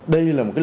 cảm ơn các bạn